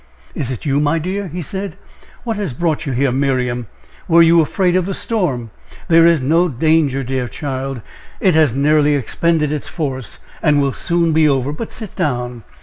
"Is it you, my dear?" he said. "What has brought you here, Miriam? Were you afraid of the storm? There is no danger, dear child it has nearly expended its force, and will soon be over but sit down."